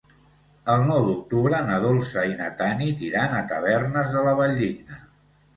El nou d'octubre na Dolça i na Tanit iran a Tavernes de la Valldigna.